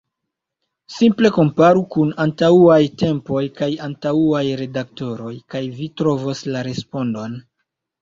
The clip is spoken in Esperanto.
Simple komparu kun antauaj tempoj kaj antauaj redaktoroj kaj vi trovos la respondon.